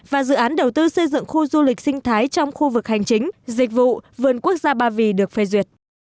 và dự án đầu tư xây dựng khu du lịch sinh thái trong khu vực hành chính dịch vụ vườn quốc gia ba vì được phê duyệt